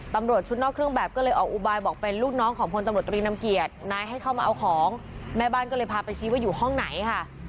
ตำรวจชุดนอกเครื่องแบบก็เลยออกอุบายบอกเป็นลูกน้องของพลตำรวจตรีนำเกียรตินายให้เข้ามาเอาของแม่บ้านก็เลยพาไปชี้ว่าอยู่ห้องไหนค่ะ